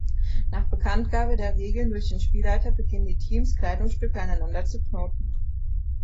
Nach Bekanntgabe der Regeln durch den Spielleiter beginnen die Teams, Kleidungsstücke aneinander zu knoten.